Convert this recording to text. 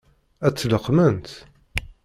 Ad tt-leqqment?